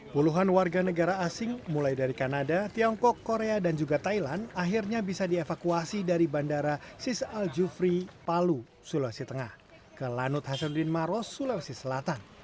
puluhan warga negara asing mulai dari kanada tiongkok korea dan juga thailand akhirnya bisa dievakuasi dari bandara sis al jufri palu sulawesi tengah ke lanut hasanuddin maros sulawesi selatan